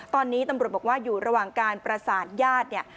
ตอนนี้ตำรวจบอกว่าอยู่ระหว่างการประสานญาติเนี่ย